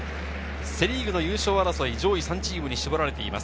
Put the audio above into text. セ・リーグの優勝争い、上位３チームに絞られています。